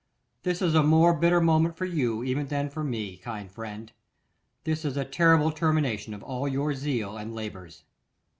This is a more bitter moment for you even than for me, kind friend. This is a terrible termination of all your zeal and labours.